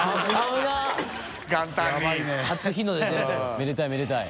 めでたいめでたい。